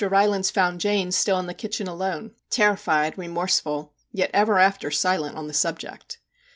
Rylands found Jane still in the kitchen alone, terrified, remorseful, yet ever after silent on the subject.